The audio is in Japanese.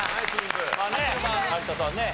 有田さんね